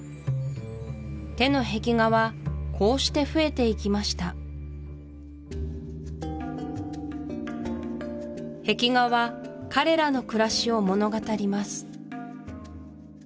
手の壁画はこうして増えていきました壁画は彼らの暮らしを物語ります